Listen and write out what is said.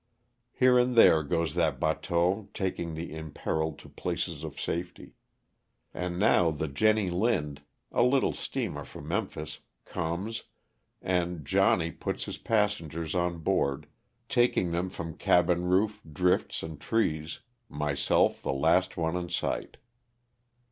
'' Here and there goes that batteau taking the imperiled to places of safety. And now the Jenny Lind — a little steamer from Memphis — comes, and Johnny" puts his passengers on board, taking them from cabin roof, drifts and trees; myself the last one in sight.